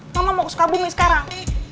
ngomong mau ke sukabumi sekarang